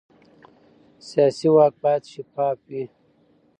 سیاسي واک باید شفاف وي